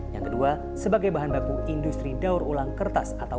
yang kedua sebagai bahan baku industri daur ulang kertas atau